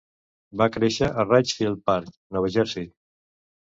Va créixer a Ridgefield Park, Nova Jersey.